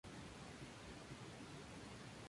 Asistió a la escuela primaria St.